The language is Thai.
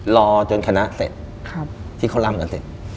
รอจนคณะเสร็จที่เขาร่ำกันเสร็จ